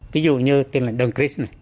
ví dụ như tên là đồng cris này